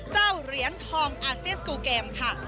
เหรียญทองอาเซียนสกูลเกมค่ะ